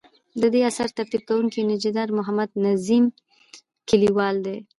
ددې اثر ترتیب کوونکی انجنیر محمد نظیم کلیوال دی.